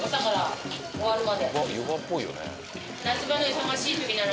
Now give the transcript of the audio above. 湯葉っぽいよね。